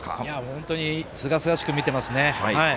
本当にすがすがしく見てます。